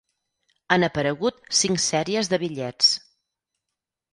Han aparegut cinc sèries de bitllets.